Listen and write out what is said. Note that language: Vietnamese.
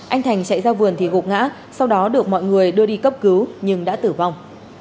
anh thành chạy ra vườn thì gục ngã sau đó được mọi người đưa đi cấp cứu nhưng đã tử vong